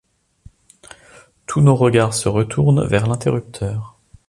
Tous nos regards se retournent vers l’interrupteur.